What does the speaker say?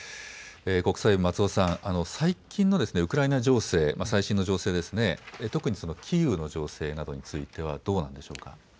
国際部松尾さん、最近のウクライナ情勢、最新の情勢、特にキーウの情勢などについてはどうなんでしょうか。